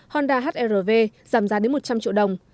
honda hr v giảm giá đến một trăm linh triệu đồng